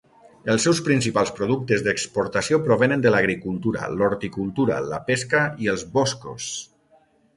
Els seus principals productes d'exportació provenen de l'agricultura, l'horticultura, la pesca i els boscos.